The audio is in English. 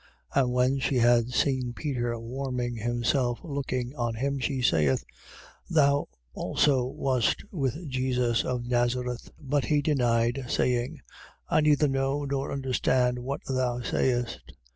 14:67. And when she had seen Peter warming himself looking on him, she saith: Thou also wast with Jesus of Nazareth. 14:68. But he denied, saying: I neither know nor understand what thou sayest.